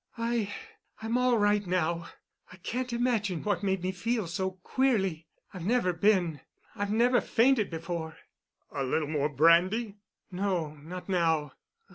"I—I'm all right now. I can't imagine what made me feel so queerly. I've never been—I've never fainted before." "A little more brandy?" "No, not now.